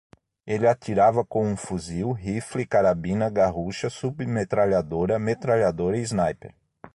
Ele atirava com um fuzil, rifle, carabina, garrucha, submetralhadora, metralhadora e sniper